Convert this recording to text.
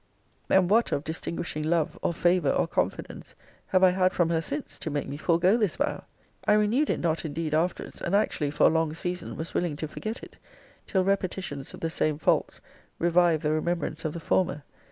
And what of distinguishing love, or favour, or confidence, have I had from her since, to make me forego this vow! I renewed it not, indeed, afterwards; and actually, for a long season, was willing to forget it; till repetitions of the same faults revived the remembrance of the former.